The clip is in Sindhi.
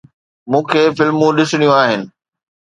مون کي فلمون ڏسڻيون آهن.